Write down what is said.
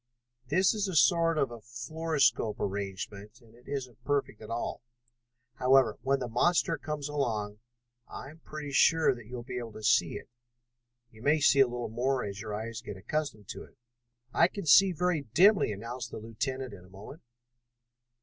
"This is a sort of a fluoroscope arrangement, and it isn't perfect at all. However, when the monster comes along, I am pretty sure that you will be able to see it. You may see a little more as your eyes get accustomed to it." "I can see very dimly," announced the lieutenant in a moment.